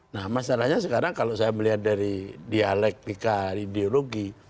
nah masalahnya sekarang kalau saya melihat dari dialektika ideologi